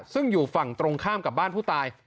ซึ่งอยู่ฝั่งตรงข้ามกับบ้านผู้ตาย